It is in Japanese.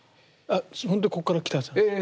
ほんとこっから来たやつなんですか？